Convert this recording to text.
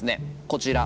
こちら